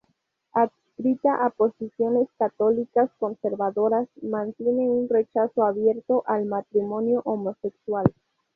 Adscrita a posiciones católicas conservadoras, mantiene un rechazo abierto al matrimonio homosexual.